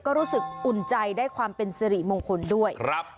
ก็รู้สึกอุ่นใจได้ความเป็นสิริมงคลด้วยพ่อแป๊ะผมขอบคุณนะคะ